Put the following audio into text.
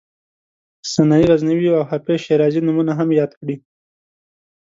سنایي غزنوي او حافظ شیرازي نومونه هم یاد کړي.